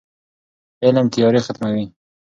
علم تیارې ختموي.